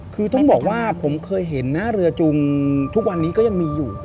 คือต้องบอกว่าผมเคยเห็นนะเรือจุงทุกวันนี้ก็ยังมีอยู่